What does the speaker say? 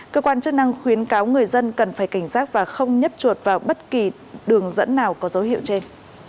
cơ quan chức năng khuyến cáo người dân cần phải cảnh giác và không nhấp chuột vào bất kỳ đường dẫn nào có dấu hiệu trên